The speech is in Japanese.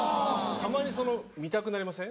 たまにその見たくなりません？